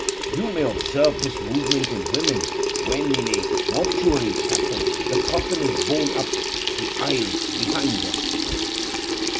You may observe this movement in women when, in a mortuary chapel, the coffin is borne up the aisle behind them.